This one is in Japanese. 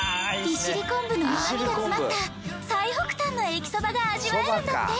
利尻昆布のうまみが詰まった最北端の駅そばが味わえるんだって。